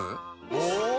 お！